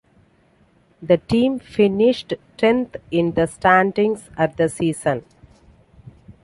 The team finished tenth in the standings at the season.